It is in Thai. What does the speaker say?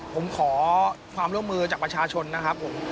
ผมขอความร่วมมือจากประชาชนนะครับผม